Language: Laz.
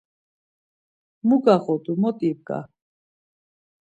Mu gağodu mot ibgar?